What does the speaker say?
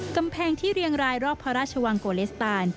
กำแพงที่เรียงรายรอบพระราชวังโกเลสตาน